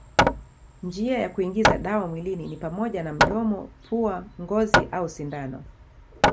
Njia za kuingiza dawa mwilini ni pamoja na mdomo, pua, ngozi au sindano.